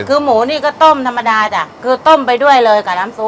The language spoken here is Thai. คือหมูนี่ก็ต้มธรรมดาจ้ะคือต้มไปด้วยเลยกับน้ำซุป